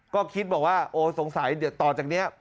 ก็คิดบอกว่าโอ้ยสงสัยต่อจากนี้